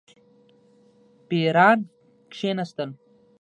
پیران کښېنستل.